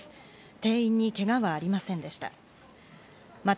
店員にけがはありませんでした。